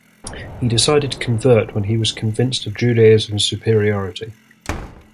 He decided to convert when he was convinced of Judaism's superiority.